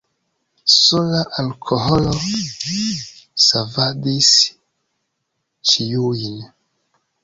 Sola alkoholo savadis ĉiujn.